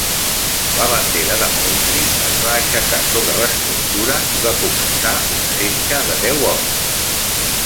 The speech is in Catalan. La bandera de Moultrie es va aixecar sobre l'estructura i va començar un setge de deu hores.